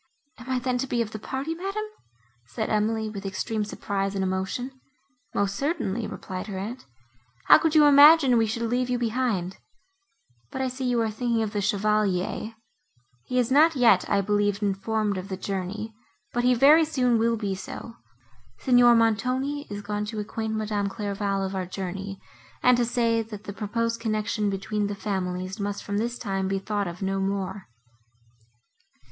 "Am I then to be of the party, madam?" said Emily, with extreme surprise and emotion. "Most certainly," replied her aunt, "how could you imagine we should leave you behind? But I see you are thinking of the Chevalier; he is not yet, I believe, informed of the journey, but he very soon will be so. Signor Montoni is gone to acquaint Madame Clairval of our journey, and to say, that the proposed connection between the families must from this time be thought of no more."